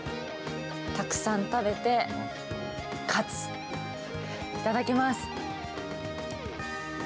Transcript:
たくさん食べて、勝つ！いただきます。